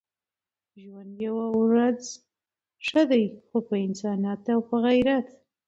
ژوند يوه ورځ ښه دی خو په انسانيت او په غيرت.